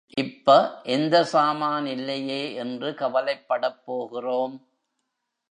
இப்ப எந்த சாமான் இல்லையே என்று கவலைப் படப்போகிறோம்?